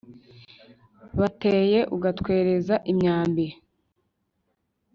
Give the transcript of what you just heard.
bateye ugatwereza imyambi.